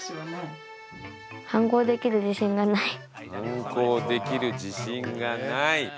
反抗できる自信がない！